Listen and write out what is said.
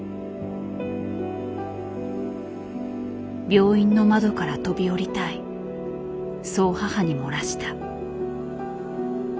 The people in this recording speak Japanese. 病院の窓から飛び降りたいそう母に漏らした。